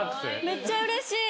めっちゃうれしい。